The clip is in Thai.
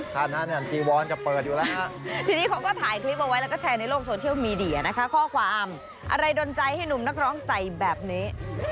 พระสงฆ์ที่นี่เขาก็ถ่ายคลิปเอาไว้แล้วก็แชร์ในโลกโซเชียลมีเดียนะคะข้อความอะไรดนใจให้หนุ่มนักร้องใส่แบบนี้